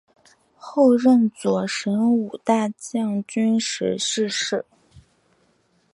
后任左神武大将军时逝世。